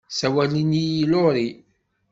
Ssawalen-iyi Laurie.